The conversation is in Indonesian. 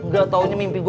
gatau nya mimpi gua